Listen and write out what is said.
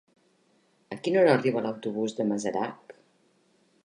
A quina hora arriba l'autobús de Masarac?